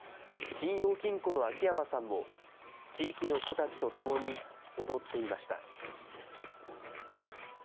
信用金庫の秋山さんも、地域の人たちと共に、躍っていました。